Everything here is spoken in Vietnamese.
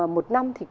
một năm thì